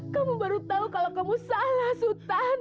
kamu baru tahu kalau kamu salah sultan